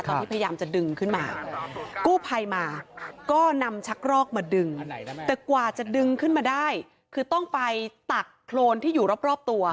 พยายามจะดึงขึ้นมากู้ภัยมาก็นำชักรอกมาดึงแต่กว่าจะดึงขึ้นมาได้คือต้องไปตักโครนที่อยู่รอบตัว